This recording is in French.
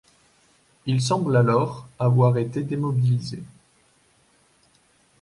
Il semble alors avoir été démobilisé.